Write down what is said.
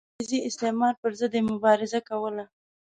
د انګریزي استعمار پر ضد یې مبارزه کوله.